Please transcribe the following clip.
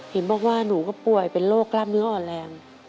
เห็นบอกว่าหนูก็ป่วยเป็นโรคกล้ามเนื้ออ่อนแรง